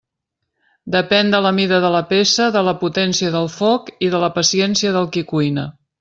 Depèn de la mida de la peça, de la potència del foc i de la paciència del qui cuina.